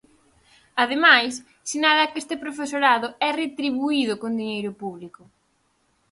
Ademais, sinala que este profesorado é retribuído con diñeiro público.